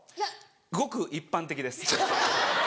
ごく一般的です。